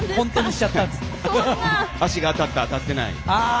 足が当たった、当たってない。